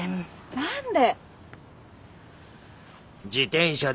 何で！？